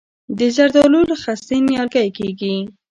د زردالو له خستې نیالګی کیږي؟